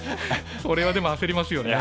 それはでも焦りますよね。